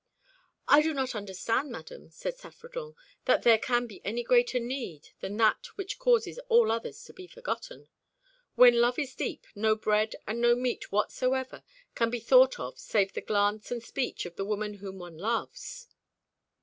"I do not understand, madam," said Saffredent, "that there can be any greater need than that which causes all others to be forgotten. When love is deep, no bread and no meat whatsoever can be thought of save the glance and speech of the woman whom one loves."